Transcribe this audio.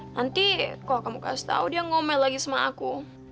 nanti kalau kamu kasih tau dia ngomel lagi sama aku